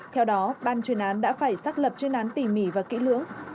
theo đó ban chuyên án đã phải xác lập chuyên án tỉ mỉ và kỹ lưỡng